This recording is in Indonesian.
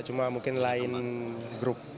cuma mungkin lain grup